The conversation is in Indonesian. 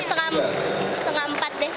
eh setengah empat deh